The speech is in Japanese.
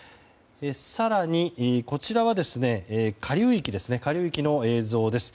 更に、こちらは下流域の映像です。